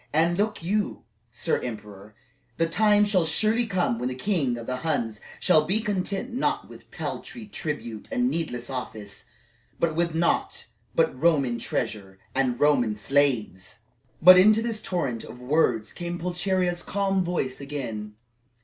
And look you, sir emperor, the time shall surely come when the king of the Huns shall be content not with paltry tribute and needless office, but with naught but Roman treasure and Roman slaves!" But into this torrent of words came Pulcheria's calm voice again.